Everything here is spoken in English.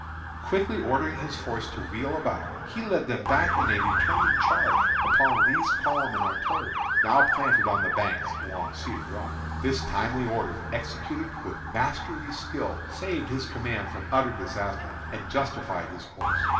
Quickly ordering his force to wheel about, he led them back in a determined charge upon Lee's columns and artillery, now planted on the banks along Cedar Run. This timely order, executed with masterly skill, saved his command from utter disaster, and justified his course.